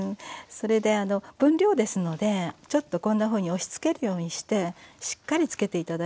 それで分量ですのでちょっとこんなふうに押しつけるようにしてしっかりつけて頂いていいですよ。